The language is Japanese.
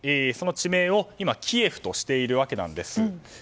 その地名を、今キエフとしているわけなんです。